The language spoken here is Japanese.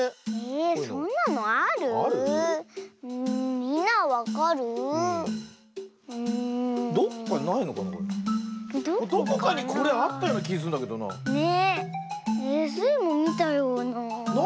えっスイもみたような。